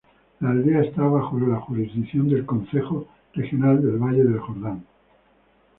La aldea está bajo la jurisdicción del Concejo Regional del Valle del Jordán.